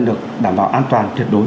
đã được đảm bảo an toàn tuyệt đối